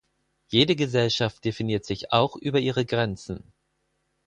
Jede Gesellschaft definiert sich auch über ihre Grenzen.